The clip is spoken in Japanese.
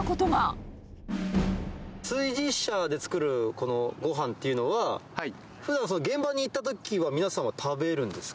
炊事車で作る、このごはんっていうのは、ふだん、現場に行ったときは皆さんは食べるんですか？